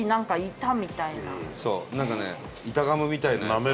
そうなんかね板ガムみたいなやつ。